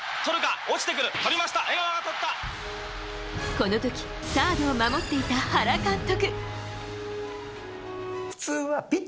この時サードを守っていた原監督。